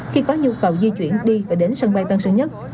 khi có nhu cầu di chuyển đi và đến sân bay tân sơn nhất